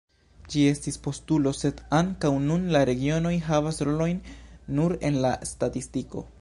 Ĝi estis postulo, sed ankaŭ nun la regionoj havas rolojn nur en la statistiko.